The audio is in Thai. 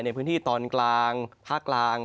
ในพื้นที่ตอนกลางภาคกลาง